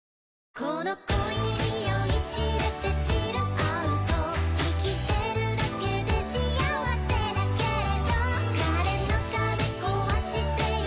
この恋に酔い痴れてチルアウト生きてるだけで幸せだけれど彼の壁壊してよ